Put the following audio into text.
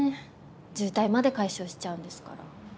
渋滞まで解消しちゃうんですから。